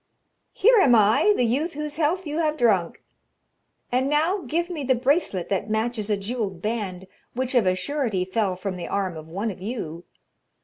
'Here am I, the youth whose health you have drunk; and now give me the bracelet that matches a jewelled band which of a surety fell from the arm of one of you.